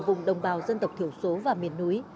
vùng đồng bào dân tộc thiểu số và miền núi